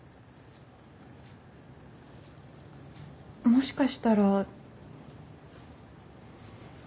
もしかしたら。